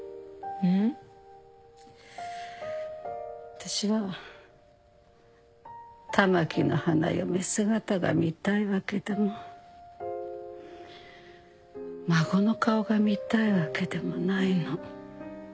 私はたまきの花嫁姿が見たいわけでも孫の顔が見たいわけでもないの。